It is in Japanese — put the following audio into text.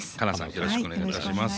よろしくお願いします。